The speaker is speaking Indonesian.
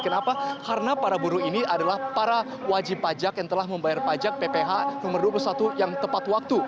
kenapa karena para buruh ini adalah para wajib pajak yang telah membayar pajak pph nomor dua puluh satu yang tepat waktu